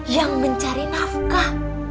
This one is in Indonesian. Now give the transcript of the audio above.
yang mencari nafkah